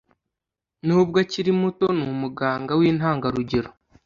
Nubwo akiri muto, ni umuganga wintangarugero.